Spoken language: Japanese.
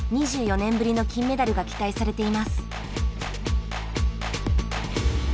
２４年ぶりの金メダルが期待されています。